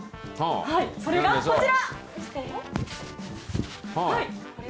それがこちら。